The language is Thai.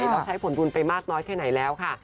ต้องใช้ผลบุญไปมากน้อยแค่ไหนแล้วค่ะ